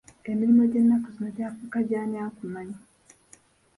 Emirimu gy’ennaku zino gyafuuka gy’ani akumanyi.